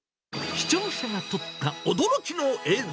視聴者が撮った驚きの映像。